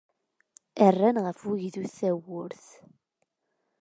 Rran ɣef ugdud tawwurt.